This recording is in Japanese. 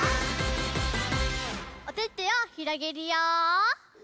おててをひろげるよ！